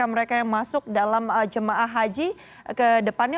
atau melakukan penyelidikan mereka yang masuk dalam juma'ah haji ke depannya